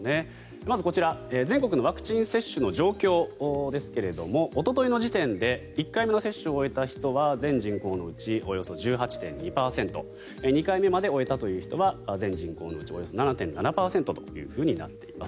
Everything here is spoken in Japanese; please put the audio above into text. まず、こちら全国のワクチン接種の状況ですがおとといの時点で１回目の接種を終えた人は全人口のうちおよそ１８．２％２回目まで終えたという人は全人口のうちおよそ７．７％となっています。